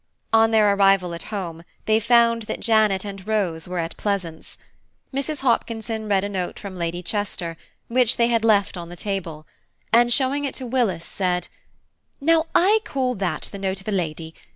On their arrival at home, they found that Janet and Rose were at Pleasance. Mrs. Hopkinson read a note from Lady Chester, which they had left on the table, and showing it to Willis said, "Now I call that the note of a lady.